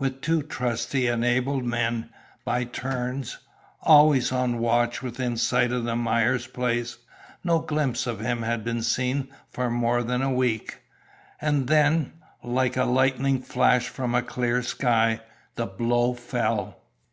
With two trusty and able men, by turns, always on watch within sight of the Myers place, no glimpse of him had been seen for more than a week. And then, like a lightning flash from a clear sky, the blow fell.